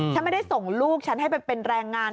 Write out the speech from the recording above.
ฉันไม่ได้ส่งลูกฉันให้ไปเป็นแรงงาน